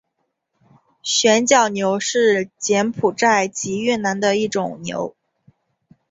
旋角牛是柬埔寨及越南的一种牛。